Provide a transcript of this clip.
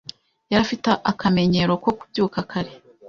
Yari afite akamenyero ko kubyuka kare.